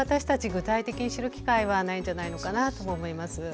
具体的に知る機会はないんじゃないのかなと思います。